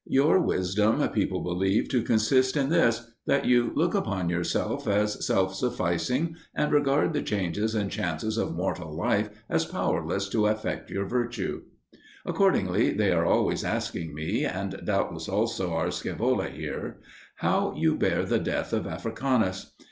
Your wisdom people believe to consist in this, that you look upon yourself as self sufficing and regard the changes and chances of mortal life as powerless to affect your virtue. Accordingly they are always asking me, and doubtless also our Scaevola here, how you bear the death of Africanus.